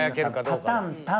「タタンタン」